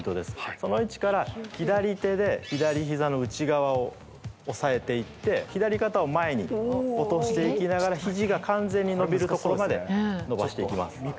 その位置から左手で左ひざの内側を押さえていって左肩を前に落としていきながらひじが完全に伸びるところまで伸ばしていきます。